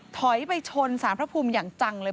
ถอยไปชนสารพระภูมิอย่างจังเลย